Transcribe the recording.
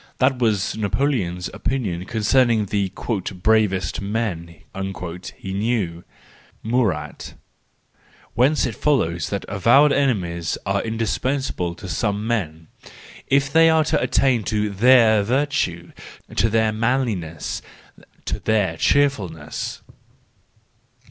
That was Napoleon's opinion concerning the "bravest man" he knew, Murat:—whence it follows that avowed enemies are indispensable to some men, if they are to attain to their virtue, to their manliness, to their cheerfulness.